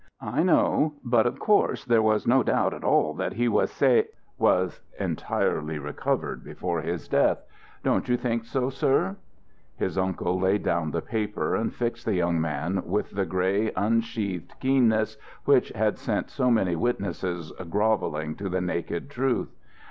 "I know. But of course there was no doubt at all that he was sa was entirely recovered before his death. Don't you think so, sir?" His uncle laid down the paper and fixed the young man with the gray, unsheathed keenness that had sent so many witnesses grovelling to the naked truth.